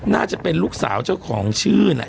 น่าจะเป็นลูกสาวเจ้าของชื่อนะ